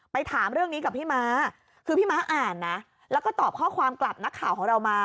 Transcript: ถามเรื่องนี้กับพี่ม้าคือพี่ม้าอ่านนะแล้วก็ตอบข้อความกลับนักข่าวของเรามา